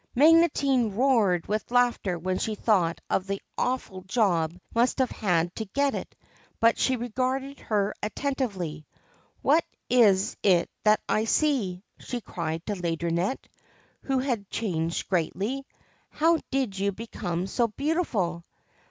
Magotine roared with laughter when she thought of the awful job this poor Queen must have had to get it ; but she regarded her attentively. 'What is it that I see?' she cried to Laideronnette, who had changed greatly. ' How did you become so beautiful